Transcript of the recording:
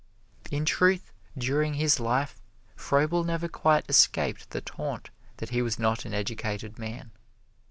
In truth, during his life, Froebel never quite escaped the taunt that he was not an educated man.